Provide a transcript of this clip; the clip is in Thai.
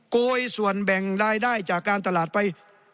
โกยส่วนแบ่งรายได้จากการตลาดไป